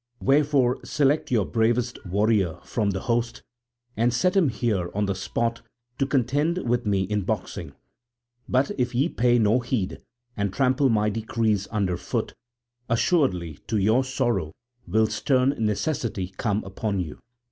Wherefore select your bravest warrior from the host and set him here on the spot to contend with me in boxing. But if ye pay no heed and trample my decrees under foot, assuredly to your sorrow will stern necessity come upon you."